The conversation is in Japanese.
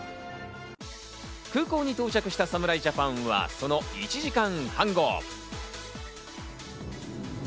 空港に到着した侍ジャパンは、その１時間半後。